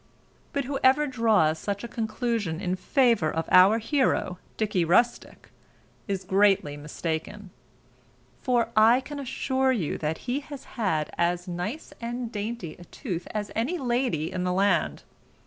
But whoever draws such a conclusion in favour of our hero, Dicky Rustick, is greatly mistaken; for I can assure you that he had as nice and dainty a tooth as any lady in the land.